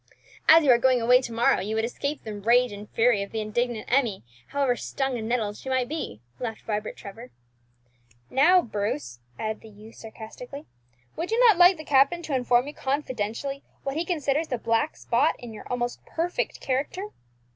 "As you are going away to morrow, you would escape the rage and fury of the indignant Emmie, however 'stung and nettled' she might be!" laughed Vibert Trevor. "Now, Bruce," added the youth sarcastically, "would you not like the captain to inform you confidentially what he considers the tiny 'black spot' in your almost perfect character?"